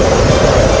itu udah gila